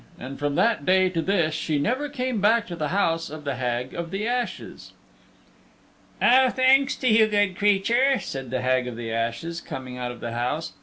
And from that day to this she never came back to the house of the Hag of the Ashes. "Oh, thanks to you, good creature," said the Hag of the Ashes, coming out of the house.